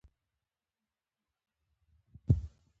اقلیم د افغانستان د اقلیمي نظام ښکارندوی ده.